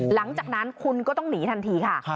หลังจากนั้นคุณก็ต้องหนีทันทีค่ะ